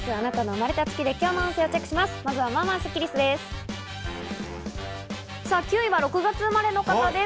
まずは、まあまあスッキりすです。